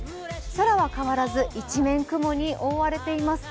空は変わらず、一面雲に覆われています。